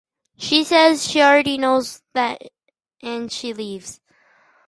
She says that she already knows that and she leaves.